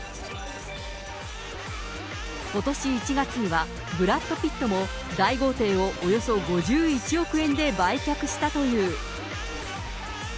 ことし１月には、ブラッド・ピットも大豪邸をおよそ５１億円で売却したという。